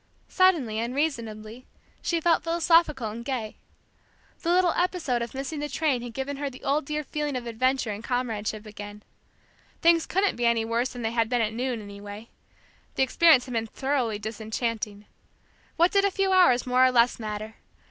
Suddenly, unreasonably, she felt philosophical and gay. The little episode of missing the train had given her the old dear feeling of adventure and comradeship again. Things couldn't be any worse than they had been at noon, anyway. The experience had been thoroughly disenchanting. What did a few hours, more or less, matter!